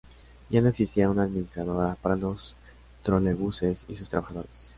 Ya no existía una administradora para los trolebuses y sus trabajadores.